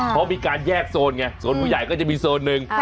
เขามีการแยกโซนไงโซนผู้ใหญ่ก็จะมีโซนหนึ่ง